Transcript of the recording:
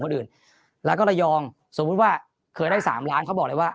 คนอื่นแล้วก็ระยองสมมุติว่าเคยได้สามล้านเขาบอกเลยว่า